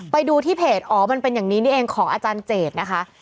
ไปดูที่เพจอ๋อมันเป็นอย่างนี้นี่เองของอาจารย์เจดนะคะ